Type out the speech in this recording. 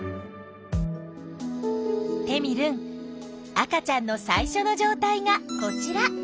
テミルン赤ちゃんの最初の状態がこちら。